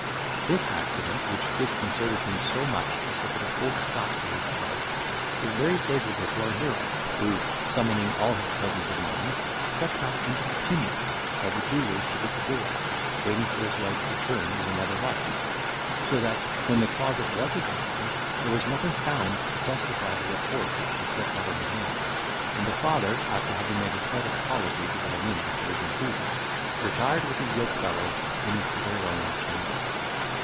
This accident, which disconcerted him so much as to put a full stop to his charge, was very favourable to our hero, who, summoning all his presence of mind, crept up into the chimney, while the jeweller stood at the door, waiting for his wife's return with another light; so that, when the closet was examined, there was nothing found to justify the report which the stepmother had made; and the father, after having made a slight apology to Wilhelmina for his intrusion, retired with his yoke fellow into their own chamber.